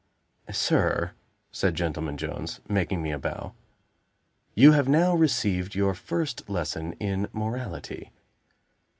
"Sir," said Gentleman Jones, making me a bow, "you have now received your first lesson in morality.